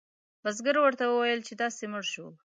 بزګر ورته وویل چې داسې مړ شو.